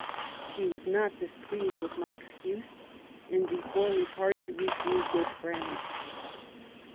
She was not displeased with my excuse, and before we parted we grew good friends.'